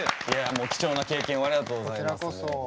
貴重な経験をありがとうございます。